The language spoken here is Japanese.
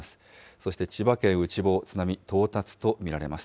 そして千葉県内房、津波到達と見られます。